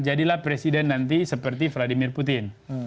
jadilah presiden nanti seperti vladimir putin